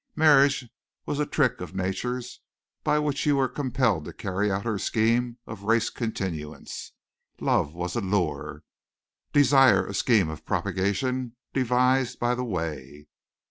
Marriage was a trick of Nature's by which you were compelled to carry out her scheme of race continuance. Love was a lure; desire a scheme of propagation devised by the way.